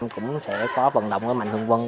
cũng sẽ có vận động với mạnh thương quân